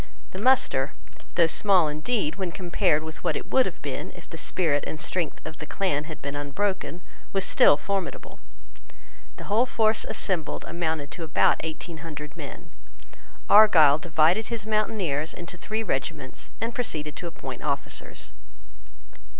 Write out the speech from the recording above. The muster, though small indeed when compared with what it would have been if the spirit and strength of the clan had been unbroken, was still formidable. The whole force assembled amounted to about eighteen hundred men. Argyle divided his mountaineers into three regiments, and proceeded to appoint officers.